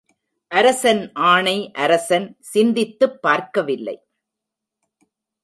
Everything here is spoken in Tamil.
அரசன் ஆணை அரசன் சிந்தித்துப் பார்க்கவில்லை.